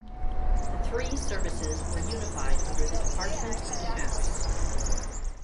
The three services were unified under the Department of Defence.